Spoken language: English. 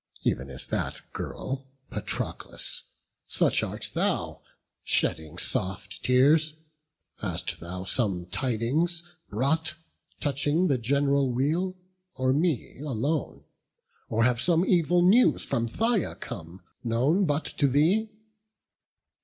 Ev'n as that girl, Patroclus, such art thou, Shedding soft tears: hast thou some tidings brought Touching the gen'ral weal, or me alone? Or have some evil news from Phthia come, Known but to thee?